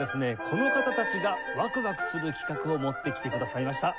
この方たちがワクワクする企画を持ってきてくださいました。